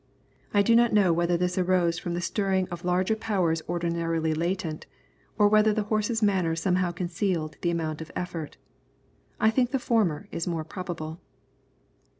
I do not know whether this arose from the stirring of larger powers ordinarily latent, or whether the horse's manner somehow concealed the amount of the effort. I think the former is more probable.